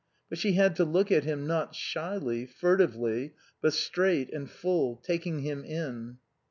But she had to look at him, not shyly, furtively, but straight and full, taking him in.